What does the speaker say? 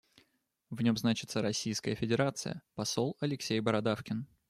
В нем значится Российская Федерация, посол Алексей Бородавкин.